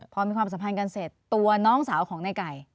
พอมีความสัมพันธ์กันเสร็จตัวน้องสาวของในไก่